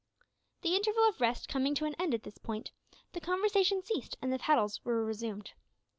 The interval of rest coming to an end at this point, the conversation ceased and the paddles were resumed.